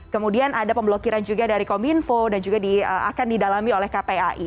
kemudian ada pemblokiran juga dari kominfo dan juga akan didalami oleh kpai